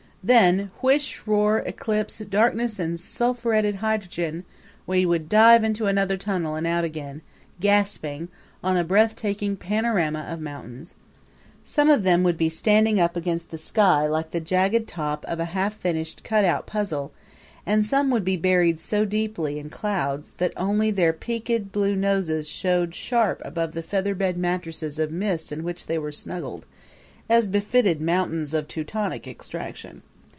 Then whish, roar, eclipse, darkness and sulphureted hydrogen! we would dive into another tunnel and out again gasping on a breathtaking panorama of mountains. Some of them would be standing up against the sky like the jagged top of a half finished cutout puzzle, and some would be buried so deeply in clouds that only their peaked blue noses showed sharp above the featherbed mattresses of mist in which they were snuggled, as befitted mountains of Teutonic extraction.